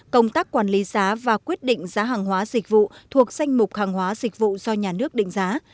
công tác quản lý giá và quyết định giá hàng hóa dịch vụ thuộc danh mục hàng hóa dịch vụ do nhà nước định giá